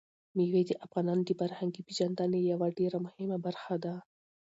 مېوې د افغانانو د فرهنګي پیژندنې یوه ډېره مهمه برخه ده.